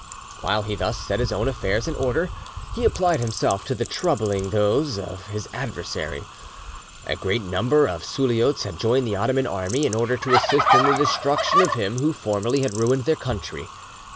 While he thus set his own affairs in order, he applied himself to the troubling those of his adversary. A great number of Suliots had joined the Ottoman army in order to assist in the destruction of him who formerly had ruined their country.